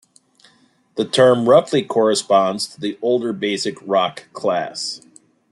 The term roughly corresponds to the older basic rock class.